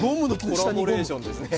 コラボレーションですね。